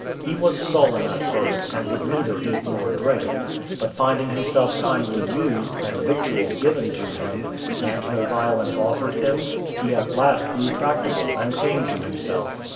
He was sullen at first, and would neither eat nor drink; but finding himself kindly used, and victuals given to him, and no violence offered him, he at last grew tractable, and came to himself.